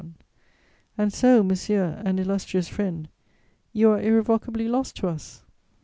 "And so, monsieur and illustrious friend, you are irrevocably lost to us?